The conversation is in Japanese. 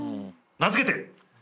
名付けて。